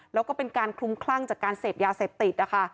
แล้วก็เป็นการคลุมคลั่งจากการเสพยาเสพติดนะคะ